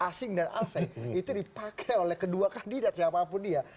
asing dan asing itu dipakai oleh kedua kandidat siapapun dia